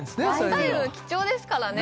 バスタイム貴重ですからね